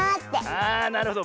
ああなるほど。